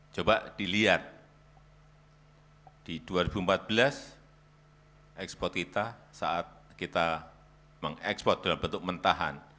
coba dilihat di dua ribu empat belas ekspor kita saat kita mengekspor dalam bentuk mentahan